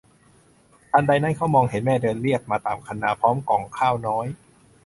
ทันใดนั้นเขามองเห็นแม่เดินเลียบมาตามคันนาพร้อมก่องข้าวน้อย